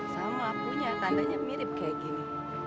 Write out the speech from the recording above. sama punya tandanya mirip kayak gini